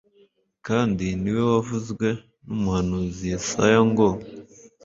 kandi ni we wavuzwe n umuhanuzi yesaya ngo